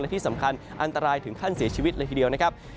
และที่สำคัญอันตรายถึงขั้นเสียชีวิตเลยทีเดียวนะครับ